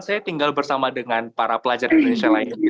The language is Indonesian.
saya tinggal bersama dengan para pelajar indonesia lainnya